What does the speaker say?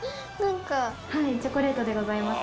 チョコレートでございます。